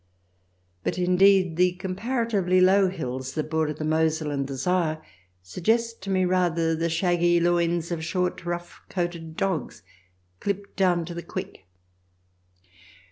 But, indeed, the comparatively low hills that border the Mosel and the Saar suggest to me rather the shaggy loins of short, rough coated dogs, clipped down to the quick.